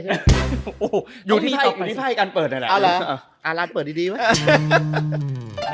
โอ้โหต้องมีต่อไปอยู่ที่ไหนกันเปิดหน่อยแหละเอาล่ะอ่ารัฐเปิดดีไหมฮ่าฮ่าฮ่า